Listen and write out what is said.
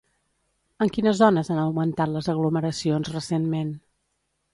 En quines zones han augmentat les aglomeracions recentment?